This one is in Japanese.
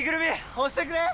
押してくれー！